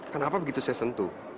kenapa begitu saya sentuh